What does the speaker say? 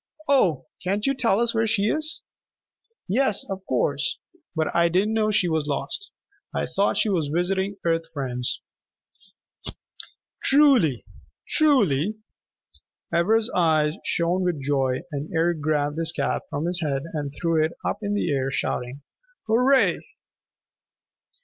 Oh, can't you tell us where she is?" "Yes, of course. But I didn't know she was lost. I thought she was visiting Earth friends." "Truly, truly?" Ivra's eyes shone with joy, and Eric grabbed his cap from his head and threw it up in the air shouting, "Hurrah!"